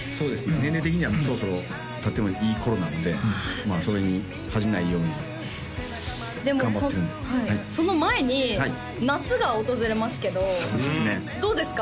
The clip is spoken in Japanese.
年齢的にはそろそろ立ってもいい頃なのでまあそれに恥じないように頑張ってるでもその前に夏が訪れますけどそうですねどうですか？